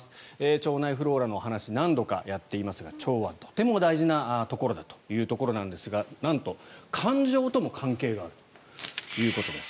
腸内フローラのお話何度かやっていますが腸はとても大事なところだというところなんですがなんと、感情とも関係があるということです。